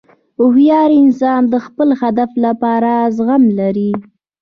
هوښیار انسان د خپل هدف لپاره زغم لري.